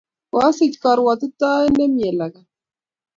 Koasich korwotitoet ne mie lagat.